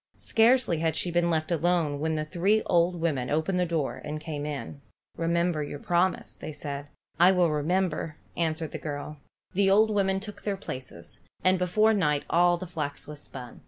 Scarcely had she been left alone when the three old women opened the door and came in. "Remember your promise," said they. "I will remember," answered the girl. The old women took their places, and before night all the flax was spun.